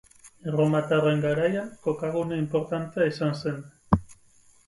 Erromatarren garaian, kokagune inportantea izan zen.